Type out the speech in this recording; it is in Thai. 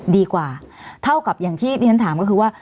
ดีกว่าเท่ากับอย่างที่ที่ฉันถามก็คือว่า